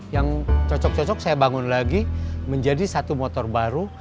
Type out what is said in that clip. yang cocok cocok saya bangun lagi menjadi satu motor baru